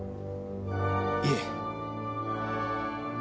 いえ。